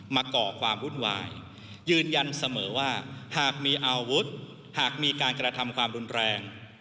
ก่อความวุ่นวายยืนยันเสมอว่าหากมีอาวุธหากมีการกระทำความรุนแรง